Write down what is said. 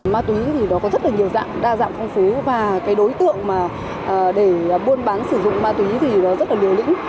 ma túy thì nó có rất là nhiều dạng đa dạng phong phú và cái đối tượng mà để buôn bán sử dụng ma túy thì nó rất là liều lĩnh